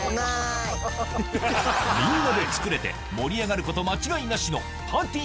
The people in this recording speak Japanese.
みんなで作れて盛り上がること間違いなしのパーティー